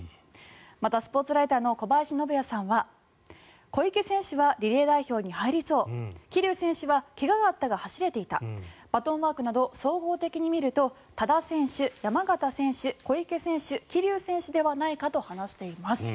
また、スポーツライターの小林信也さんは小池選手はリレー代表に入りそう桐生選手は怪我があったが走れていたバトンワークなど総合的に見ると多田選手、山縣選手、小池選手桐生選手ではないかと話しています。